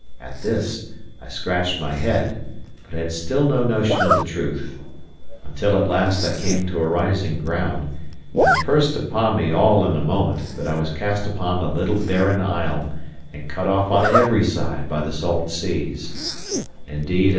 At this I scratched my head, but had still no notion of the truth: until at last I came to a rising ground, and it burst upon me all in a moment that I was cast upon a little barren isle, and cut off on every side by the salt seas.